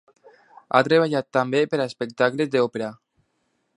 Ha treballat també per a espectacles d'òpera.